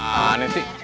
nah ini sih